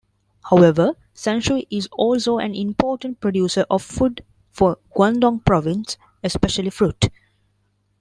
However, Sanshui is also an important producer of food for Guangdong Province, especially fruit.